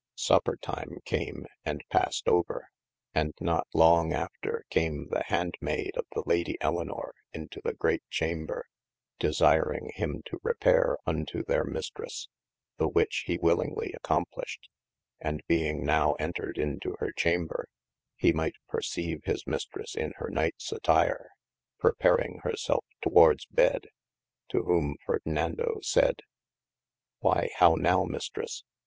Supper time came, and passed over, and not long after came the hande mayde of the Lady Elynor into the great chamber desiering him to repayre unto their Mistresse, the which he willingly acom plished : and being nowe entred into hyr chamber, he might perceyve his Mystresse in hir nightes attyre, preparing hir selfe towards bed, to whome Fardinando sayde : Why how now mystresse